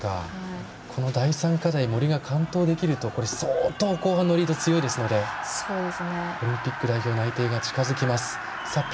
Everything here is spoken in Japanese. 第３課題森が完登できると相当、後半のリード強いですのでオリンピック代表内定が近づきます。